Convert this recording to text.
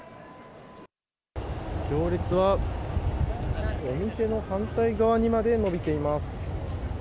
行列はお店の反対側にまで伸びています。